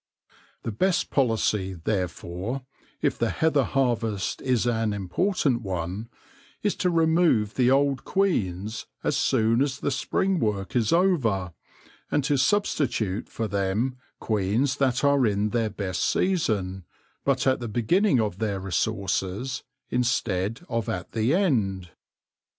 The best policy, therefore, if the heather harvest is an important one, is to remove the old queens as soon as the spring work is over, and to substitute for them queens that are in their best season, but at the beginning of their resources instead of at the end.